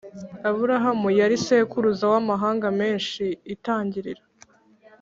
Aburahamu yari sekuruza w amahanga menshi itangiriro